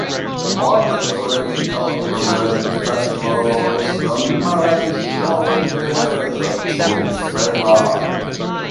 On the three pilgrimage festivals, the melody shown here is the tune favored.